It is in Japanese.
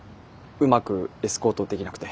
うまくエスコートできなくて。